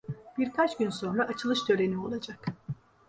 Birkaç gün sonra açılış töreni olacak.